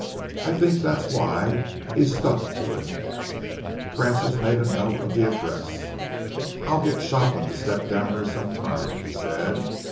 I think that's why he stuck to it." Francis made a note of the address. "I'll get Shopland to step down there some time," he said.